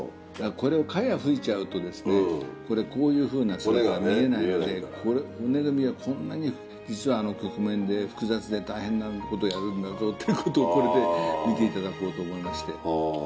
これを茅ふいちゃうとこういうふうな姿は見えないので骨組みはこんなに実は曲面で複雑で大変なことをやるんだぞっていうことをこれで見ていただこうと思いまして。